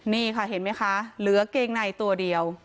นี่ค่ะเห็นไหมคะเหลือเกงในตัวเดียว